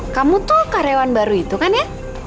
kamu tuh karyawan baru itu kan ya